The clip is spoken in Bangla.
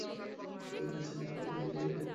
ঠিক আছে, এখন শুধু বিজয়ীরা।